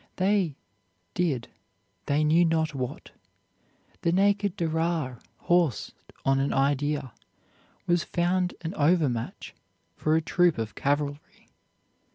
They did they knew not what. The naked Derar, horsed on an idea, was found an overmatch for a troop of cavalry.